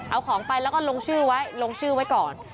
เอาของไปแล้วก็ลงชื่อไว้ลงชื่อไว้ก่อน